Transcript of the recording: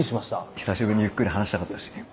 久しぶりにゆっくり話したかったし。